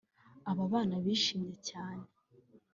Aba bana bishimye cyane